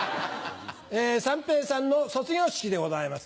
三平さんの卒業式でございます。